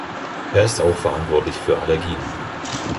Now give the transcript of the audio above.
Er ist auch verantwortlich für Allergien.